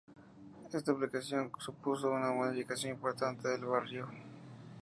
Esta ampliación supuso una modificación importante del barrio.